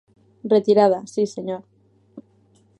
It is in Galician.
Retirada, si, señor.